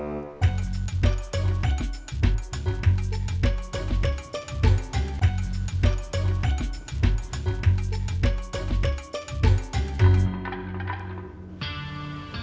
tidak ada artinya